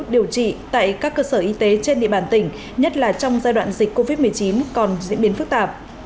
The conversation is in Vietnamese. điều trị tại các cơ sở y tế trên địa bàn tỉnh nhất là trong giai đoạn dịch covid một mươi chín còn diễn biến phức tạp